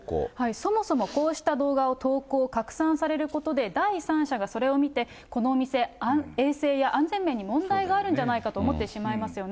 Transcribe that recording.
そもそもこうした動画を投稿、拡散されることで、第三者がそれを見て、このお店、衛生や安全面に問題があるんじゃないかと思ってしまいますよね。